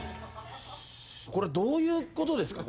これどういうことですか？